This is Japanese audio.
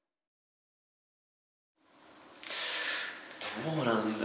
どうなんだろう？